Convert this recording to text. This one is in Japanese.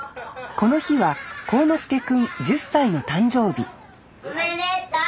この日は航之介くん１０歳の誕生日・おめでとう！